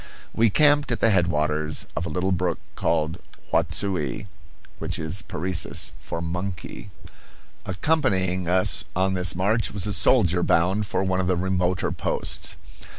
We camped at the headwaters of a little brook called Huatsui, which is Parecis for "monkey." Accompanying us on this march was a soldier bound for one of the remoter posts.